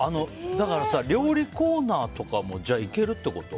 だから料理コーナーとかもいけるってこと？